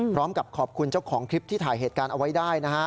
พร้อมกับขอบคุณเจ้าของคลิปที่ถ่ายเหตุการณ์เอาไว้ได้นะฮะ